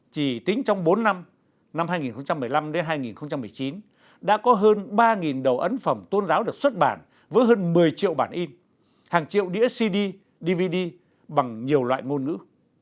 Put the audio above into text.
chỉ tính trong bốn năm năm hai nghìn một mươi năm đến hai nghìn một mươi chín đã có hơn ba đầu ấn phẩm tôn giáo được xuất bản với hơn một mươi triệu bản in hàng triệu đĩa cd dvd bằng nhiều loại ngôn ngữ